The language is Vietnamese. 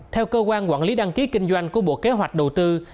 theo cơ quan quản lý đăng ký kinh doanh của bộ kế hoạch đầu tư